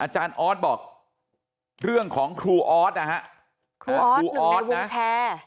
อเจมส์ออบอกเรื่องของครูออตครูออตหนึ่งในวงแชร์